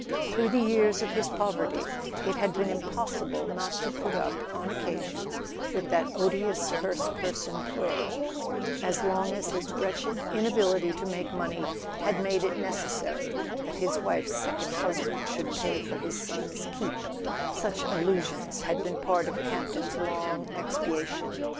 Through the years of his poverty it had been impossible not to put up, on occasions, with that odious first person [ 19 ] A SON AT THE FRONT plural: as long as his wretched inability to make money had made it necessary that his wife's second husband should pay for his son's keep, such allusions had been part of Campton's long expiation.